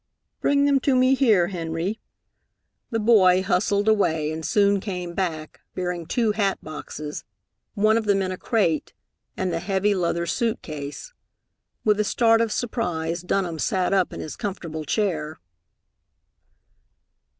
"Bring them to me here, Henry." The boy hustled away, and soon came back, bearing two hat boxes one of them in a crate and the heavy leather suit case. With a start of surprise, Dunham sat up in his comfortable chair.